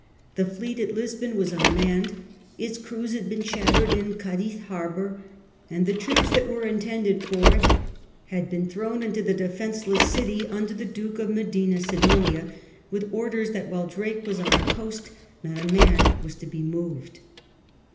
The fleet at Lisbon was unmanned. Its crews had been shattered in Cadiz harbour, and the troops that were intended for it had been thrown into the defenceless city under the Duke of Medina Sidonia with orders that while Drake was on the coast not a man was to be moved.